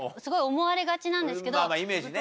イメージね。